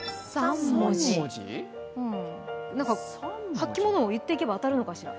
履き物を言っていけば当たるのかしら？